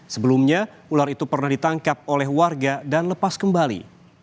sebelumnya ular itu pernah ditangkap oleh warga dan lepas kembali